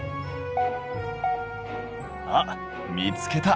あっ見つけた。